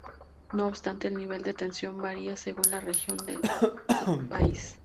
No obstante, el nivel de tensión varía según la región del país.